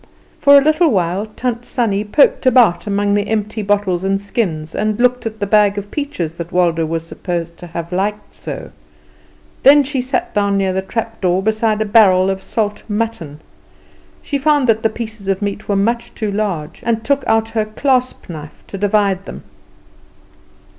For a little while Tant Sannie poked about among the empty bottles and skins, and looked at the bag of peaches that Waldo was supposed to have liked so; then she sat down near the trap door beside a barrel of salt mutton. She found that the pieces of meat were much too large, and took out her clasp knife to divide them.